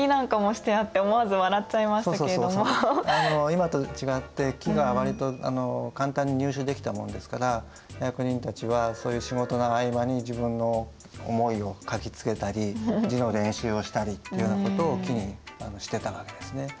今と違って木が割と簡単に入手できたもんですから役人たちはそういう仕事の合間に自分の思いを書きつけたり字の練習をしたりっていうようなことを木にしてたわけですね。